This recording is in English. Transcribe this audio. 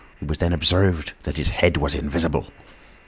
It was then ob served that his head was invisible.